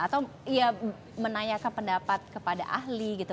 atau ya menanyakan pendapat kepada ahli gitu